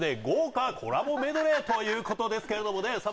豪華コラボメドレーということですけれどもね